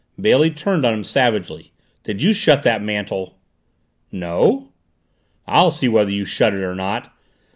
Bailey turned on him savagely. "Did you shut that mantel?" "No!" "I'll see whether you shut it or not!"